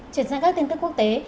chuyển sang các tin tức quốc tế